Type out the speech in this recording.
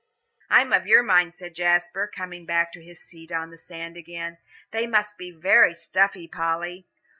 "I'm of your mind," said Jasper, coming back to his seat on the sand again. "They must be very stuffy, Polly.